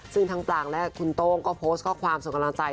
ซึ่งทั้งปลางและคุณโต้งก็โพสต์ข้อความส่งกำลังใจ